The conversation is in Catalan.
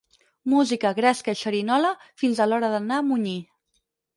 Música, gresca i xerinola fins a l'hora d'anar a munyir.